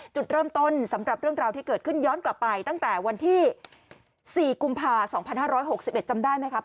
จุดเริ่มต้นสำหรับเรื่องราวที่เกิดขึ้นย้อนกลับไปตั้งแต่วันที่๔กุมภา๒๕๖๑จำได้ไหมครับ